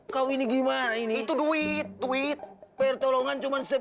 kau ini gimana ini itu duit duit percolongan cuman